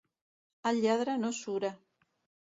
El lladre no sura.